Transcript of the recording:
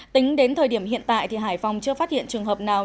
tính đến thời điểm hiện tại thì hải phòng chưa phát hiện trường hợp nào